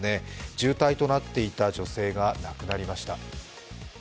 重体となっていた女性が亡くなりました。